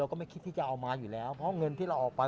ก็ไม่คิดที่จะเอามาอยู่แล้วเพราะเงินที่เราออกไป